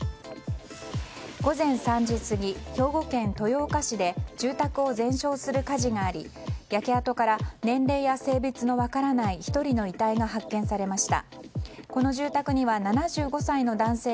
午前３時過ぎ、兵庫県豊岡市で住宅を全焼する火事があり焼け跡から年齢や性別の分からない１人の遺体が発見されました。